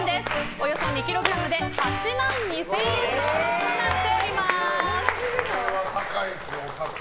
およそ２ｋｇで８万２０００円相当とこれはお高いですね。